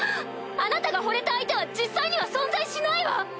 あなたがほれた相手は実際には存在しないわ！